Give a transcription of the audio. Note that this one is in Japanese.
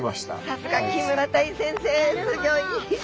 さすが木村大先生すギョい！